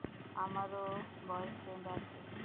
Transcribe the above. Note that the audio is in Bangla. আমারও বয়ফ্রেন্ড আছে।